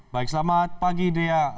baik selamat pagi dea